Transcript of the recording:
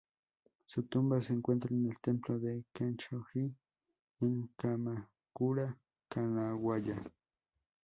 Su tumba se encuentra en el templo de Kenchō-ji en Kamakura, Kanagawa.